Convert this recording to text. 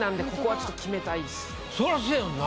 そらそうやんな。